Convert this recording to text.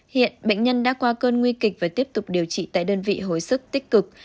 hiện bệnh nhân đã qua cơn nguy kịch và tiếp tục điều trị tại đơn vị hồi sức tích cực